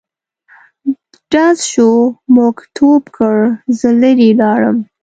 ډز شو موږ ټوپ کړ زه لیري لاړم.